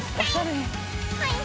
はい！